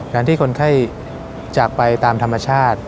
การที่คนไข้จากไปตามธรรมชาติ